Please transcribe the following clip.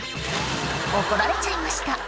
怒られちゃいました